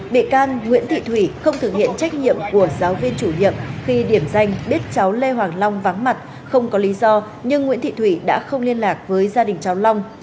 bị can nguyễn thị thủy không thực hiện trách nhiệm của giáo viên chủ nhiệm khi điểm danh biết cháu lê hoàng long vắng mặt không có lý do nhưng nguyễn thị thủy đã không liên lạc với gia đình cháu long